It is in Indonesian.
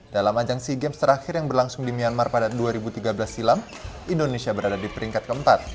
dalam ajang sea games terakhir yang berlangsung di myanmar pada dua ribu tiga belas silam indonesia berada di peringkat keempat